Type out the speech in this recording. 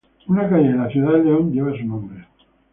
Una calle de la ciudad de León lleva su nombre.